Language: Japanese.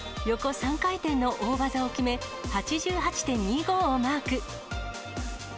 横３回転の大技を決め、８８．２５をマーク。